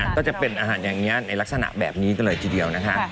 ก็จะเป็นอาหารอย่างนี้ในลักษณะแบบนี้ก็เลยทีเดียวนะคะ